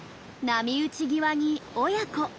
波打ち際に親子。